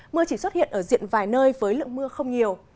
mưa chỉ xuất hiện ở diện vài nơi với lượng mưa không nhiều